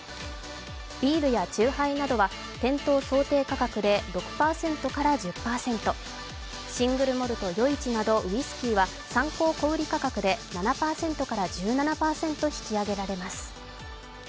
ビールや酎ハイなどは店頭想定価格で６％から１０％、シングルモルト余市などウイスキーは参考小売り価格で７％から１７％引き上げられます。